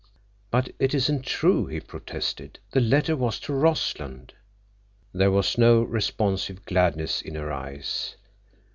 "But it isn't true," he protested. "The letter was to Rossland." There was no responsive gladness in her eyes.